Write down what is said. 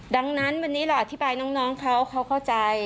ดังนั้นวันนี้เราอธิบายน้องเขาเขาเข้าใจ